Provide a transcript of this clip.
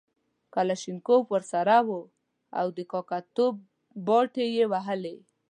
کلاشینکوف ورسره وو او د کاکه توب باټې یې وهلې.